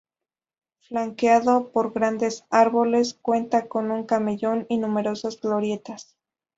Flanqueado por grandes árboles, cuenta con un camellón y numerosas glorietas.